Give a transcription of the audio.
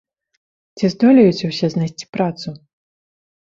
Ці здолеюць усе знайсці працу?